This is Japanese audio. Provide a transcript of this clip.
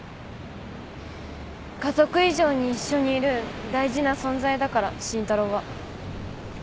家族以上に一緒にいる大事な存在だから慎太郎は。